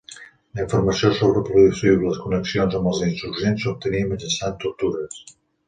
La informació sobre possible connexions amb els insurgents s'obtenia mitjançant tortures.